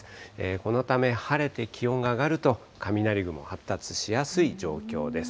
このため、晴れて気温が上がると雷雲、発達しやすい状況です。